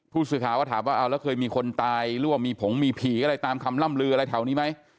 ผู้สื่อข่าวก็ถามว่าเอาแล้วเคยมีคนตายหรือว่ามีผงมีผีอะไรตามคำล่ำลืออะไรแถวนี้ไหม